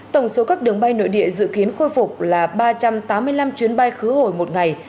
tổng số các đường bay nội địa dự kiến khôi phục là ba trăm tám mươi năm chuyến bay khứ hồi một ngày